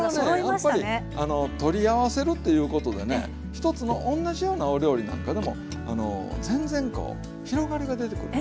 やっぱりあの取り合わせるっていうことでね一つの同じようなお料理なんかでも全然こう広がりが出てくる。